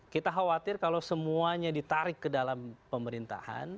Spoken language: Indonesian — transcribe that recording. kita khawatir kalau semuanya ditarik ke dalam pemerintahan